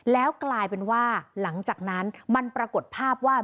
แล้วกลายเป็นว่าหลังจากนั้นมันปรากฏภาพว่า